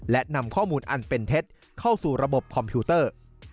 และนำข้อมูลอันเป็นเท็จเข้าสู่ระบบคอมพิวเตอร์